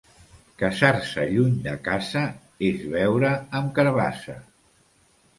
Casar-se lluny de casa és beure amb carabassa.